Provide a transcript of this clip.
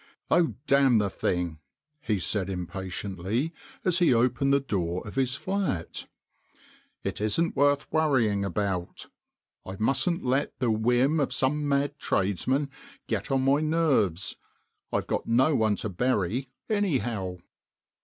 " Oh damn the thing 1 " he said impa tiently, as he opened the door of his flat, " it isn't worth worrying about. I mustn't let the whim of some mad tradesman get on my nerves. I've got no one to bury, anyhow."